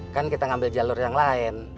kan kita ngambil jalur yang lain